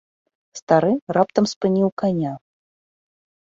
Стары раптам спыніў каня.